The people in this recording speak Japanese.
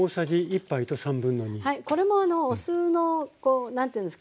これもお酢の何て言うんですか。